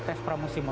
terima kasih pak